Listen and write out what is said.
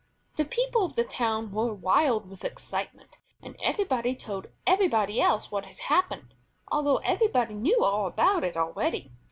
The people of the town were wild with excitement, and everybody told everybody else what had happened, although everybody knew all about it already.